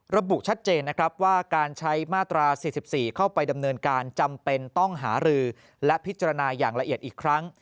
ระบุชัดเจนนะครับว่าการใช้มาตรา๔๔เข้าไปดำเนินการจำเป็นต้องหารือและพิจารณาอย่างละเอียดอีกครั้ง